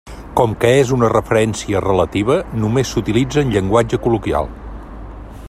Com que és una referència relativa, només s'utilitza en llenguatge col·loquial.